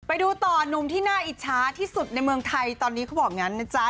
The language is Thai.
ไปดูต่อหนุ่มที่น่าอิจฉาที่สุดในเมืองไทยตอนนี้เขาบอกอย่างนั้นนะจ๊ะ